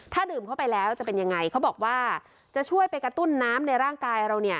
ถ้าดื่มเข้าไปแล้วจะเป็นยังไงเขาบอกว่าจะช่วยไปกระตุ้นน้ำในร่างกายเราเนี่ย